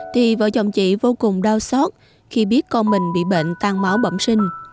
thì vợ chồng chị vô cùng đau xót khi biết con mình bị bệnh tàn máu bậm sinh